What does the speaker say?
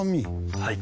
はい。